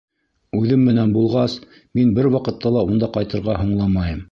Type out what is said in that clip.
Үҙем менән булғас, мин бер ваҡытта ла унда ҡайтырға һуңламайым.